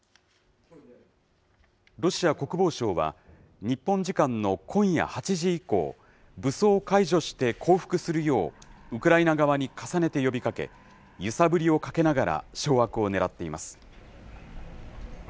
ロシア国防省は、日本時間の今夜８時以降、武装解除して降伏するよう、ウクライナ側に重ねて呼びかけ、揺さぶりをかけながら、掌握をねらっています。